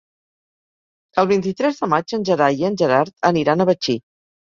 El vint-i-tres de maig en Gerai i en Gerard aniran a Betxí.